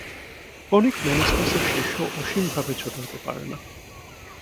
Conic মেনিসকাসের শীর্ষ অসীমভাবে ছোট হতে পারে না।